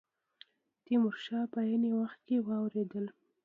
تیمور شاه په عین وخت کې واورېدل.